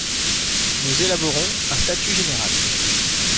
Nous élaborons un statut général.